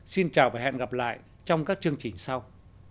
xin chào và hẹn gặp lại trong các chương trình sau